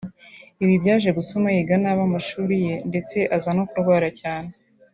Ibi byaje gutuma yiga nabi amashuri ye ndetse aza no kurwara cyane